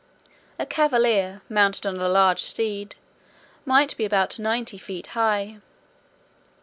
A cavalier, mounted on a large steed, might be about ninety feet high.